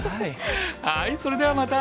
それではまた！